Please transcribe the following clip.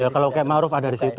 kalau ma'ruf ada di situ